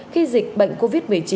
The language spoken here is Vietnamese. khi dịch bệnh covid một mươi chín